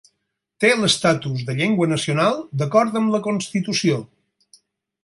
Té l'estatus de llengua nacional d'acord amb la constitució.